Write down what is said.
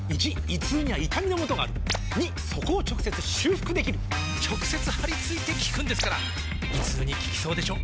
①胃痛には痛みのもとがある②そこを直接修復できる直接貼り付いて効くんですから胃痛に効きそうでしょ？